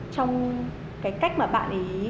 trong cái cách mà bạn ấy